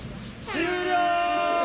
終了！